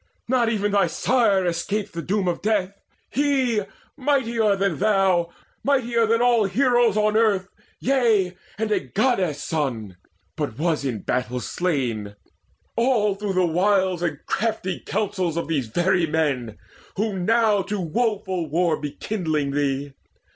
Not even thy sire escaped the doom of death He, mightier than thou, mightier than all Heroes on earth, yea, and a Goddess' son But was in battle slain, all through the wiles And crafty counsels of these very men Who now to woeful war be kindling thee.